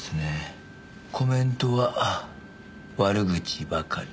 コメントは悪口ばかり。